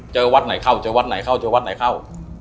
วัดไหนเข้าเจอวัดไหนเข้าเจอวัดไหนเข้า